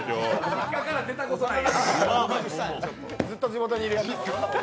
実家から出てきたことない。